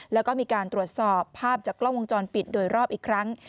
แล้วก็มีการตรวจสอบภาพจากกล้องวงจรปิดโดยรอบอีกครั้ง